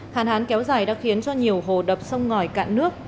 hàn hán kéo dài đã khiến cho nhiều hồ đập sông ngòi cạn nước